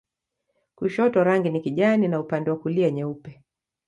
Kushoto rangi ni kijani na upande wa kulia nyeupe.